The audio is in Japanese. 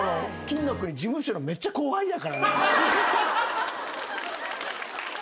金の国事務所のめっちゃ後輩やからな。